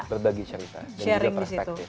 berbagi cerita dan juga perspektif